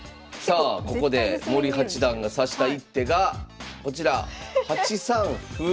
さあここで森八段が指した一手がこちら８三歩。